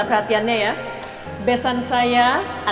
untuk kita bikin games ya